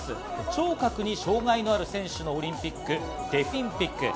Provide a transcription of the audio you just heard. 聴覚に障害のある選手のオリンピック、デフリンピック。